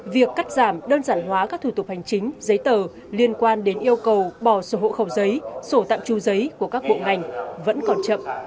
việc cắt giảm đơn giản hóa các thủ tục hành chính giấy tờ liên quan đến yêu cầu bỏ sổ hộ khẩu giấy sổ tạm tru giấy của các bộ ngành vẫn còn chậm